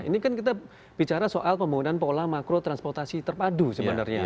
ini kan kita bicara soal pembangunan pola makro transportasi terpadu sebenarnya